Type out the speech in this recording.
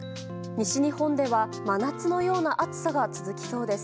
西日本では真夏のような暑さが続きそうです。